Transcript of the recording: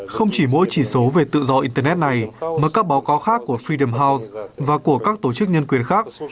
không chỉ mỗi chỉ số về tự do internet này mà các báo cáo khác của fid house và của các tổ chức nhân quyền khác